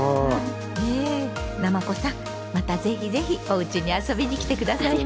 なまこさんまたぜひぜひおうちに遊びに来て下さいね。